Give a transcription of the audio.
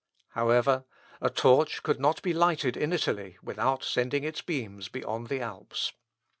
However, a torch could not be lighted in Italy without sending its beams beyond the Alps.